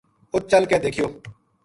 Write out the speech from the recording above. اُت چل کے دیکھیو